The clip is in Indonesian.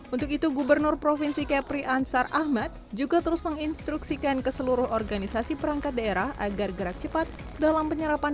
untuk itu gubernur provinsi kepri ansar ahmad juga terus menginstruksikan ke seluruh organisasi perangkat daerah agar gerak cepat dalam penyerapan